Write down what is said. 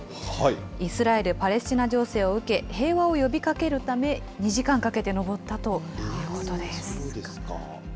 イスラエル・パレスチナ情勢を受け、平和を呼びかけるため、２時間かけて上ったということです。